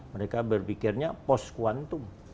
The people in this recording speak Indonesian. mereka berpikirnya post kuantum